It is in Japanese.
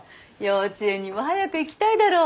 幼稚園にも早く行きたいだろ。